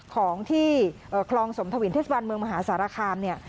ของที่คลองสมทวินเทศบันเมืองมหาสารคามเนี่ย